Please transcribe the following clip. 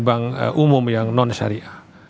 bank umum yang non syariah